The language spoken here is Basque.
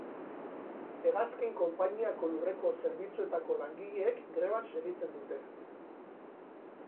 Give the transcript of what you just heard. Hegazkin konpainiako lurreko zerbitzuetako langileek greban segitzen dute.